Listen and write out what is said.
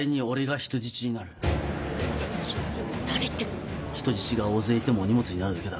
人質が大勢いてもお荷物になるだけだ。